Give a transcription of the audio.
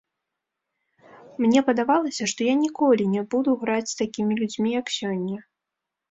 Мне падавалася, што я ніколі не буду граць з такімі людзьмі, як сёння.